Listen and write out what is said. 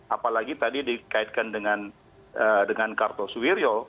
apalagi tadi dikaitkan dengan kartos wirjo